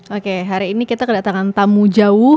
oke hari ini kita kedatangan tamu jauh